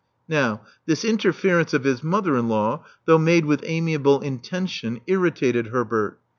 Now, this interference of his mother in law, though made with amiable intention, irritated Herbert.